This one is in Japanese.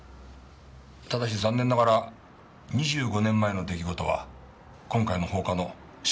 ただし残念ながら２５年前の出来事は今回の放火の証拠にはなりません。